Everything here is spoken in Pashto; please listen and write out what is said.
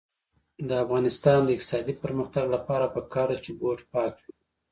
د افغانستان د اقتصادي پرمختګ لپاره پکار ده چې بوټ پاک وي.